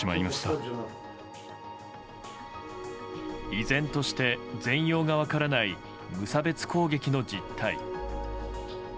依然として全容が分からない無差別攻撃の実態。